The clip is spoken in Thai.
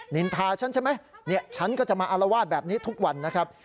นินทาฉันใช่ไหมฉันก็จะมาอารวาสแบบนี้ทุกวันนะครับ